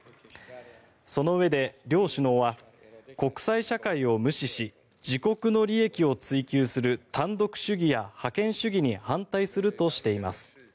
そのうえで両首脳は国際社会を無視し自国の利益を追求する単独主義や覇権主義に反対するとしています。